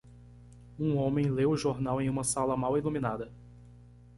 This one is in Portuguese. Um homem lê o jornal em uma sala mal iluminada.